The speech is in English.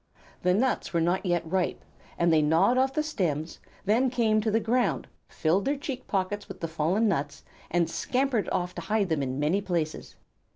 The nuts were not yet ripe, and they gnawed off the stems, then came to the ground, filled their cheek pockets with the fallen nuts, and scampered off to hide them in many places.